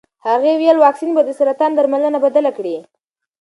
هغې وویل واکسین به د سرطان درملنه بدله کړي.